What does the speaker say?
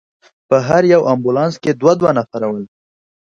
په هر یو امبولانس کې دوه دوه نفره ول.